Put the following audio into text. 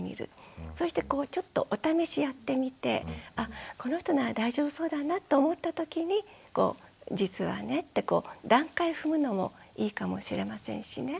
そしてこうちょっとお試しやってみてあこの人なら大丈夫そうだなって思ったときに実はねってこう段階踏むのもいいかもしれませんしね。